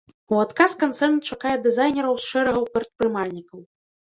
У адказ канцэрн чакае дызайнераў з шэрагаў прадпрымальнікаў.